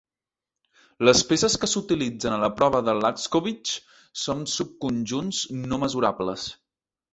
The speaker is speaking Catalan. Les peces que s'utilitzen a la prova de Laczkovich son subconjunts no mesurables.